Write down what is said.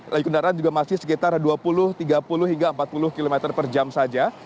laju kendaraan juga masih sekitar dua puluh tiga puluh hingga empat puluh km per jam saja